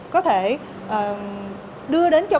có thể đưa đến cho các doanh nghiệp